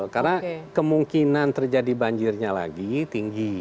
karena kemungkinan terjadi banjirnya lagi tinggi